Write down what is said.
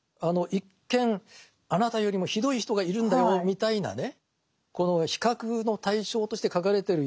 一見あなたよりもひどい人がいるんだよみたいなね